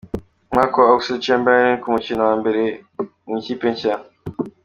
Umwaku wa Oxlade Chamberlain ku mukino wa mbere mu ikipe Nshya.